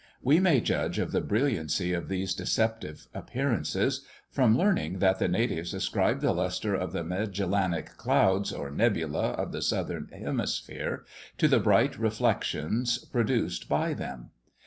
We may judge of the brilliancy of these deceptive appearances, from learning that the natives ascribed the lustre of the Magellanic clouds, or nebula of the southern hemisphere, to the bright reflections produced by them.